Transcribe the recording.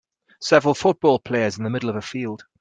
Several football players in the middle of the field